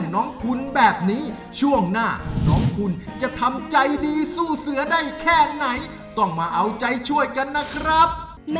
ขอบคุณคณกรรมกรรมกายครับ